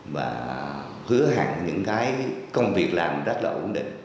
và hứa hẳn những cái công việc làm rất là ổn định